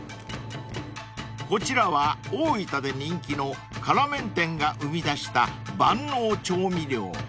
［こちらは大分で人気の辛麺店が生み出した万能調味料］